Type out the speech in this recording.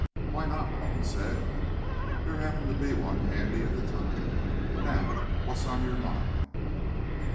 "Why not?" Malone said. "There happened to be one handy at the time. Now, what's on your mind?"